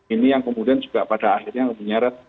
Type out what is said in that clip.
ini yang kemudian juga pada akhirnya menyeret